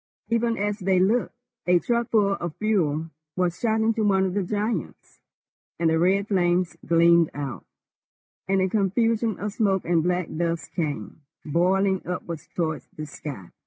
Even as they looked, a truckful of fuel was shot into one of the giants, and the red flames gleamed out, and a confusion of smoke and black dust came boiling upwards towards the sky.